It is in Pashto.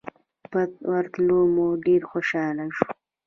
په ورتلو مو ډېر خوشاله شو.